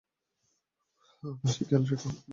পাশে খেয়াল রেখো।